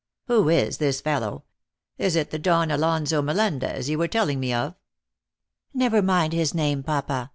" Who is this fellow ? Is it the Don Alonso Me lendez you were telling me of?" " Never mind his name, Papa.